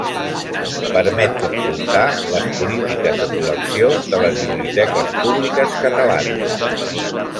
Permet consultar les polítiques de col·lecció de les biblioteques públiques catalanes.